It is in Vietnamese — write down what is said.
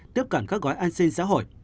tiếp cận các gói an sinh xã hội